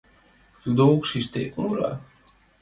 Тудо ок шиж, тек мура...